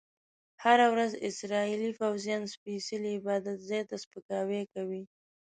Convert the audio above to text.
هره ورځ اسرایلي پوځیان سپیڅلي عبادت ځای ته سپکاوی کوي.